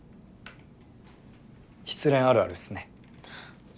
失恋あるあるっすね